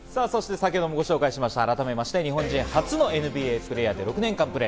先程もご紹介しました、改めまして日本人初のＮＢＡプレーヤーで６年間プレー。